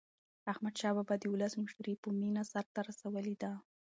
احمدشاه بابا د ولس مشري په مینه سرته رسولې ده.